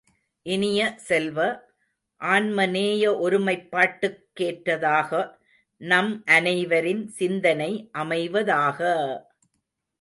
இனிய செல்வ, ஆன்மநேய ஒருமைப்பாட்டுக்கேற்றதாக நம் அனைவரின் சிந்தனை அமைவதாக!